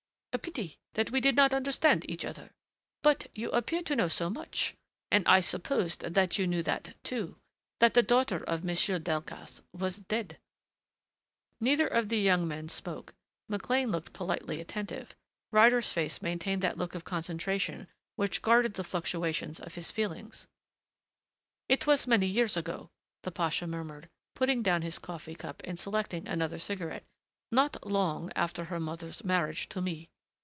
"A pity that we did not understand each other. But you appear to know so much and I supposed that you knew that, too, that the daughter of Monsieur Delcassé was dead." Neither of the young men spoke. McLean looked politely attentive; Ryder's face maintained that look of concentration which guarded the fluctuations of his feelings. "It was many years ago," the pasha murmured, putting down his coffee cup and selecting another cigarette. "Not long after her mother's marriage to me....